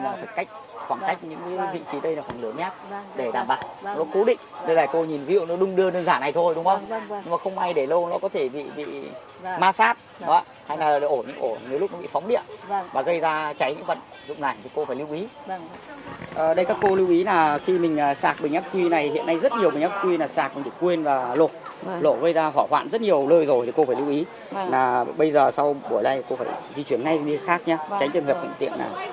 giờ sau buổi này cô phải di chuyển ngay đi khác nhé tránh trường hợp bệnh tiện nào